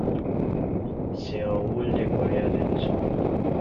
Seoul de Corea del Sur.